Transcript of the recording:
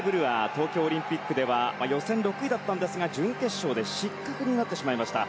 東京オリンピックでは予選６位だったんですが準決勝で失格になってしまいました。